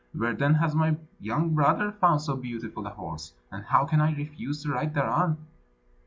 Where, then, has my young brother found so beautiful a horse? and how can I refuse to ride thereon?"